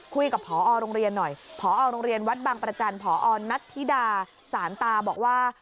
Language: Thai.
คุยกับพอโรงเรียนหน่อยพอโรงเรียนวัดบางประจันทร์ผอนัทธิดาสารตาบอกว่า